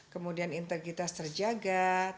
kemudian integritas terjaga